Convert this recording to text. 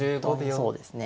そうですね。